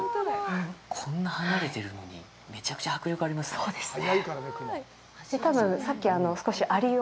こんな離れてるのにめちゃくちゃ迫力ありますね。